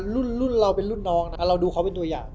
รุ่นเราเป็นรุ่นน้องนะเราดูเขาเป็นตัวอย่าง